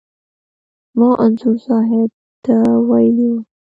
ما انځور صاحب ته ویلي و.